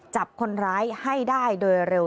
จับคนร้ายให้ได้โดยเร็ว